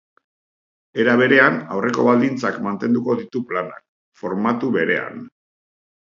Era berean, aurreko baldintzak mantenduko ditu planak, formatu berean.